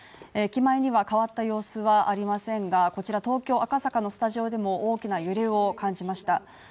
駅前には変わった様子はありませんがこちら東京・赤坂のスタジオでも大きな揺れを感じました